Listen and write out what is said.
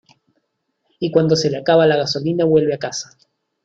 y cuando se le acaba la gasolina, vuelve a casa.